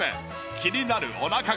気になるおなかが